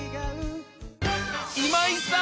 今井さん！